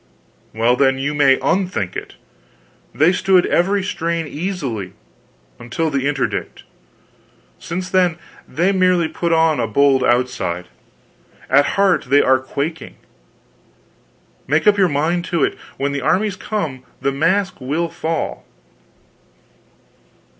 "Well, then, you may unthink it. They stood every strain easily until the Interdict. Since then, they merely put on a bold outside at heart they are quaking. Make up your mind to it when the armies come, the mask will fall."